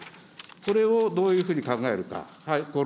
これをどういうふうに考えるか。